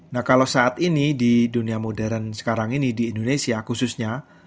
nah kalau saat ini di dunia modern sekarang ini di indonesia khususnya